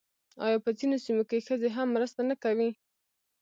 آیا په ځینو سیمو کې ښځې هم مرسته نه کوي؟